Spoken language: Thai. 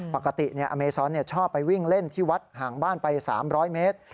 อเมซอนชอบไปวิ่งเล่นที่วัดห่างบ้านไป๓๐๐เมตร